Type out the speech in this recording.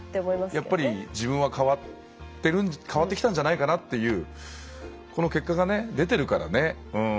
やっぱり自分は変わってきたんじゃないかなっていうこの結果が出てるからね。